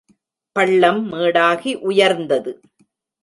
பள்ளம் மேடாகி உயர்ந்தது.